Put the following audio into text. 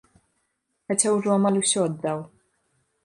Хаця ўжо амаль усё аддаў.